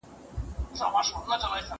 زه له سهاره مينه څرګندوم؟